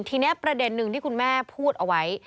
ทีนี้ประเด็นหนึ่งที่คุณแม่พูดเอาไว้